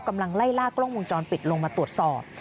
กำลังไล่ล่ากล้องวงจรปิดลงมาตรวจสอบ